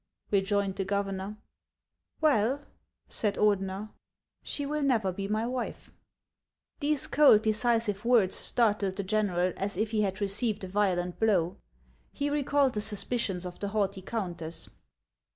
rejoined the governor. " Well," said Ordener, " she will never be my wife." These cold, decisive words startled the general as if he had received a violent blow. He recalled the suspicions of the haughty countess.